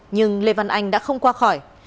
nhưng lê văn anh đã không qua khỏi